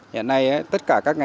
hiện nay tất cả các ngành